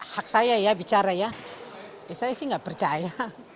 hak saya ya bicara ya saya sih nggak percaya